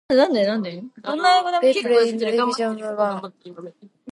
They play in Division One.